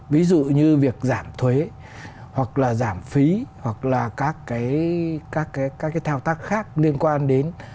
ví dụ như việc giảm thuế hoặc là giảm phí hoặc là các cái các cái thao tác khác liên quan đến